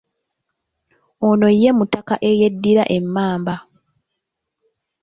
Ono ye mutaka eyeddira emmamba.